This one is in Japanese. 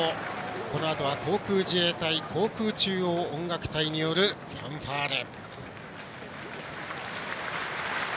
このあとは航空自衛隊航空中央音楽隊によるファンファーレ。